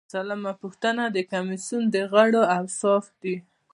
سلمه پوښتنه د کمیسیون د غړو اوصاف دي.